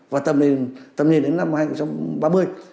và tầm nhìn đến năm hai nghìn ba mươi